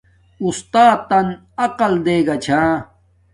اُساتن عقل دیگا چھا